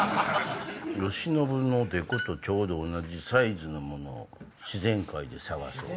「よしのぶのデコとちょうど同じサイズのものを自然界で探そう」。